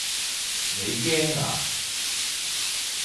你驚啊？